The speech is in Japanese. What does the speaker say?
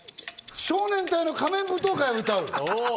少年隊の『仮面舞踏会』を歌う。